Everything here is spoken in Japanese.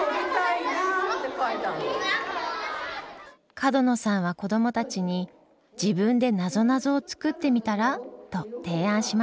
角野さんは子どもたちに「自分でなぞなぞを作ってみたら？」と提案しました。